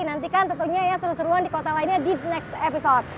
nanti kan tentunya seru seruan di kota lainnya di next episode